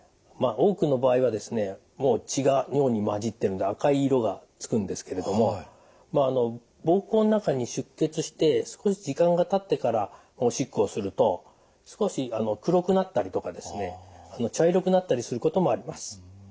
もう血が尿に混じってるので赤い色がつくんですけれども膀胱の中に出血して少し時間がたってからおしっこをすると少し黒くなったりとかですね茶色くなったりすることもあります。